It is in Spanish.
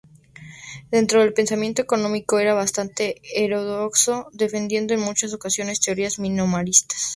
Dentro del pensamiento económico era bastante heterodoxo, defendiendo en muchas ocasiones teorías minoritarias.